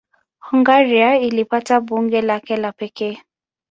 Hungaria ilipata bunge lake la pekee.